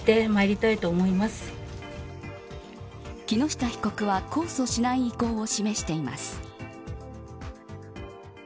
木下被告は控訴しない意向を示しています。